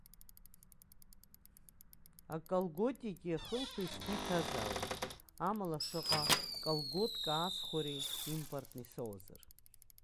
Аколготики ахылԥеи сгәы иҭазаауеит, амала шаҟа колготка аасхәари импортныи соуазар?